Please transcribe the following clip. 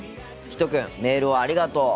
ひとくんメールをありがとう。